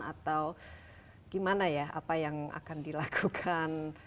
atau gimana ya apa yang akan dilakukan